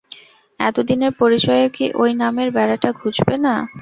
এতদিনের পরিচয়েও কি ঐ নামের বেড়াটা ঘুচবে না?